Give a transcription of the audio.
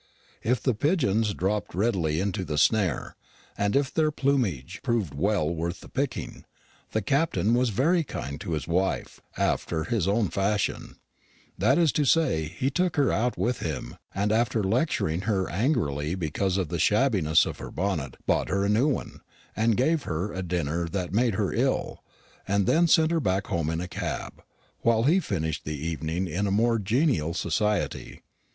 If the pigeons dropped readily into the snare, and if their plumage proved well worth the picking, the Captain was very kind to his wife, after his own fashion; that is to say, he took her out with him, and after lecturing her angrily because of the shabbiness of her bonnet, bought her a new one, and gave her a dinner that made her ill, and then sent her home in a cab, while he finished the evening in more congenial society.